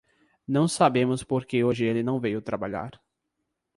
Não sabemos por que hoje ele não veio trabalhar.